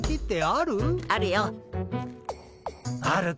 あるよっ。